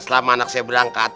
selama anak saya berangkat